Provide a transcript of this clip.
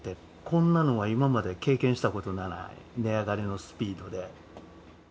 こんなのは今まで経験したことがない、値上がりのスピードで。